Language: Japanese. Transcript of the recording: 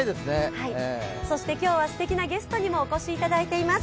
そして今日はすてきなゲストにもお越しいただいています。